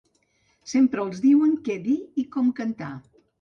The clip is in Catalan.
Sempre els diuen què dir i com cantar.